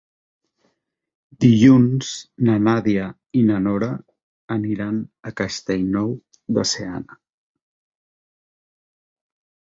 Dilluns na Nàdia i na Nora aniran a Castellnou de Seana.